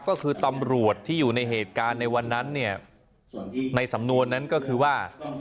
ก็คือตำรวจที่อยู่ในเหตุการณ์ในวันนั้นเนี่ยในสำนวนนั้นก็คือว่า